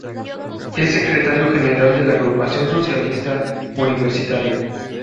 Es secretario general de la Agrupación Socialista Universitaria.